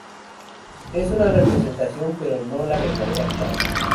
Es una representación pero no la verdadera clave.